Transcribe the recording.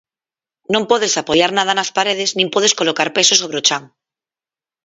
Non podes apoiar nada nas paredes nin podes colocar pesos sobre o chan.